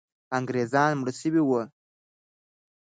انګریزان مړه سوي وو.